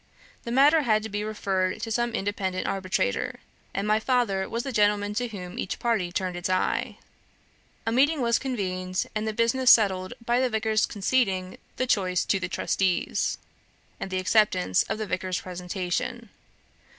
The matter had to be referred to some independent arbitrator, and my father was the gentleman to whom each party turned its eye. A meeting was convened, and the business settled by the Vicar's conceding the choice to the trustees, and the acceptance of the Vicar's presentation.